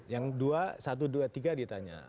yang dua satu dua tiga ditanya